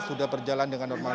sudah berjalan dengan normal